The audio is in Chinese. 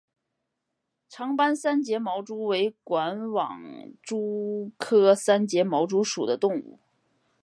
长斑三栉毛蛛为管网蛛科三栉毛蛛属的动物。